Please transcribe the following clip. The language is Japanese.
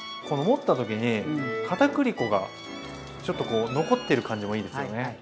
この持った時にかたくり粉がちょっとこう残ってる感じもいいですよね。